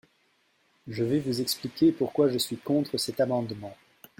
Je vais vous expliquer pourquoi je suis contre cet amendement.